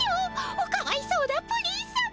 おかわいそうなプリンさま。